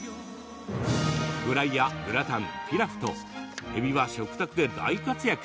フライやグラタン、ピラフとえびは食卓で大活躍。